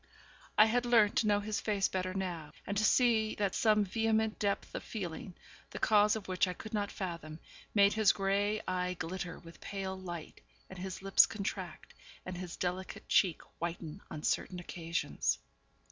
I had learnt to know his face better now; and to see that some vehement depth of feeling, the cause of which I could not fathom, made his grey eye glitter with pale light, and his lips contract, and his delicate cheek whiten on certain occasions.